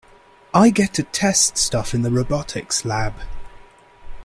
I get to test stuff in the robotics lab.